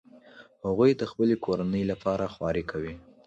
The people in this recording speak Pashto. هغوی د خپلې کورنۍ لپاره خواري کوي